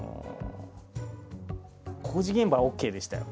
工事現場はＯＫでしたよ。